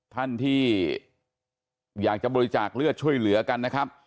ท่านที่อยากจะบริจาคเลือดช่วยเหลือกันนะครับ